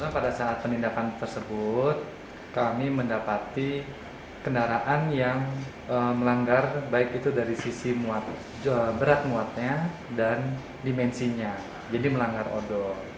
pada saat penindakan tersebut kami mendapati kendaraan yang melanggar baik itu dari sisi berat muatnya dan dimensinya jadi melanggar odol